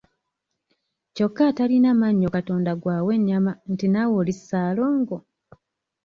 Kyokka atalina mannyo Katonda gw'awa ennyama nti nawe oli ssaalongo!